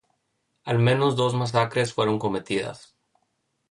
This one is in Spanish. Al menos dos masacres fueron cometidas.